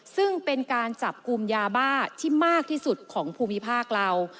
ซึ่งเป็นการจับกลุ่มยาบ้าที่มากที่สุดของภูมิภาคเรา